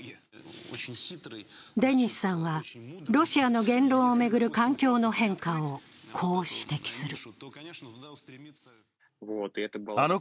デニスさんは、ロシアの言論を巡る環境の変化をこう指摘する。